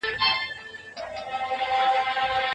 مسواک د بدن په پیاوړتیا کې رول لري.